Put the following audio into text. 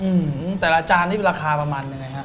อืมแต่ละจานนี้ราคาประมาณยังไงฮะ